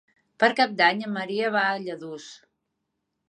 Per Cap d'Any en Maria va a Lladurs.